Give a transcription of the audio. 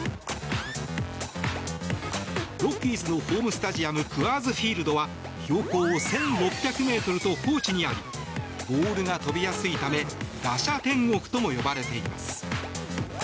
ロッキーズのホームスタジアムクアーズ・フィールドは標高１６００ｍと高地にありボールが飛びやすいため打者天国とも呼ばれています。